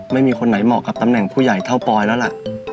ไม่มีคนไหนเหมาะกับตำแหน่งผู้ใหญ่เท่าปอยแล้วล่ะ